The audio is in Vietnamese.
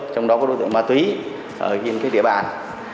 trong đó có đối tượng ma túy ở trên địa bàn